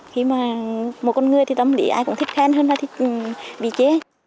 khi mà một con người thì tâm lý ai cũng thích khen hơn là thích bị chê